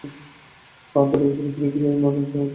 আমার প্রতিভা শুধু পৃথিবীতেই মান্যতা পাবে না।